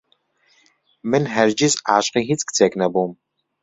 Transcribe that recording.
من هەرگیز عاشقی هیچ کچێک نەبووم.